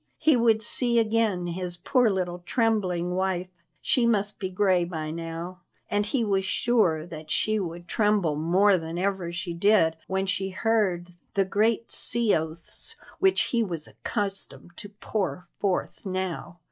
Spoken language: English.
He would see again his poor little trembling wife she must be gray by now and he was sure that she would tremble more than ever she did when she heard the great sea oaths which he was accustomed to pour forth now.